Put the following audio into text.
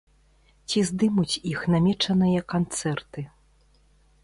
Ці здымуць іх намечаныя канцэрты.